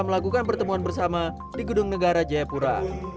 melakukan pertemuan bersama di gedung negara jayapura